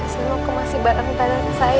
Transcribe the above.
silahkan kemas barang barang saya